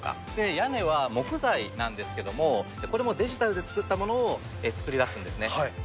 屋根は木材なんですけども、これもデジタルで作ったものを作り出すんですね。